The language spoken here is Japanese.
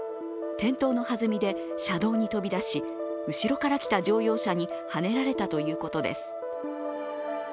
転倒の弾みで、車道に飛び出し後ろから来た乗用車にはねられたということです。